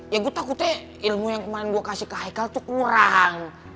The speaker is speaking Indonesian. ya gue takutnya ilmu yang kemarin gue kasih ke haikal tuh kurang